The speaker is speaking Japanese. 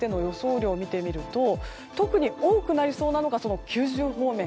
雨量を見てみると特に多くなりそうなのがその九州方面。